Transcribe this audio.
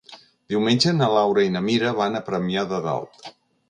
Diumenge na Laura i na Mira van a Premià de Dalt.